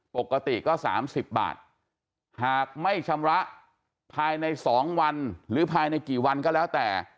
ปกติก็๓๐บาทหากไม่ชำระภายใน๒วันหรือภายในกี่วันก็แล้วแต่